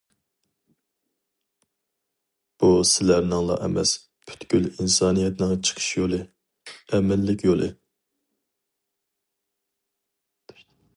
بۇ سىلەرنىڭلا ئەمەس، پۈتكۈل ئىنسانىيەتنىڭ چىقىش يولى، ئەمىنلىك يولى.